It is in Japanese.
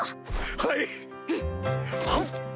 はい！